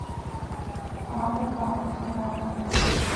পালাতে পরামর্শ দাও নাকি?